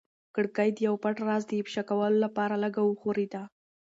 کړکۍ د یو پټ راز د افشا کولو لپاره لږه وښورېده.